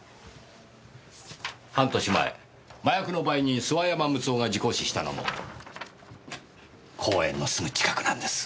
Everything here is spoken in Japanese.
半年前麻薬の売人諏訪山睦男が事故死したのも公園のすぐ近くなんです。